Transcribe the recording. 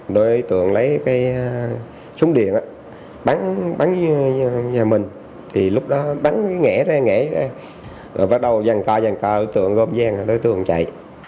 đối tượng lấy cái súng điện á bắn nhà mình thì lúc đó bắn cái nghẽ ra nghẽ ra rồi bắt đầu dàn ca dàn ca đối tượng gom giang đối tượng chạy